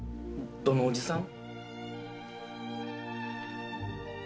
どのおじさん？